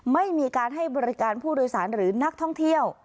ไม่มีการให้บริการผู้โดยสารหรือนักท่องเที่ยว